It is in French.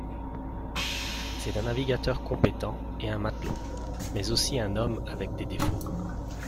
C'est un navigateur compétent et un matelot, mais aussi un homme avec des défauts.